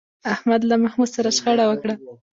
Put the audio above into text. احمد له محمود سره شخړه وکړه.